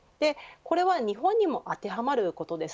これは日本にも当てはまることです。